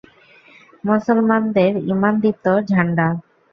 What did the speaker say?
মুসলমানদের ঈমানদীপ্ত ঝাণ্ডা।